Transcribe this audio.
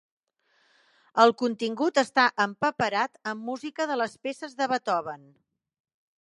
El contingut està empaperat amb música de les peces de Beethoven.